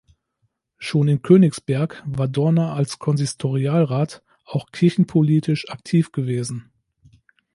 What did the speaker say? Schon in Königsberg war Dorner als Konsistorialrat auch kirchenpolitisch aktiv gewesen.